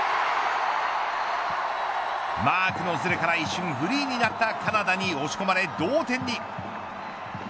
マークのずれから一瞬フリーになったカナダに押し込まれ同点に。